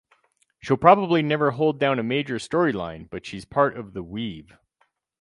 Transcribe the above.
She'll probably never hold down a major storyline but she's part of the weave.